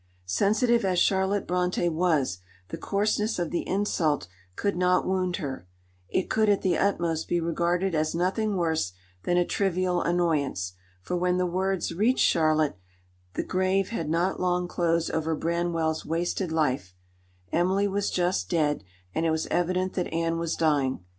Sensitive as Charlotte Brontë was, the coarseness of the insult could not wound her; it could at the utmost be regarded as nothing worse than a trivial annoyance; for when the words reached Charlotte, the grave had not long closed over Branwell's wasted life; Emily was just dead, and it was evident that Anne was dying.